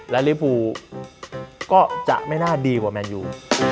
และริภูก็จะไม่น่าดีกว่าแมนยู